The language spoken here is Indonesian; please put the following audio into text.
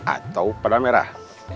atau pedang merah